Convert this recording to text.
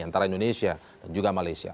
antara indonesia dan juga malaysia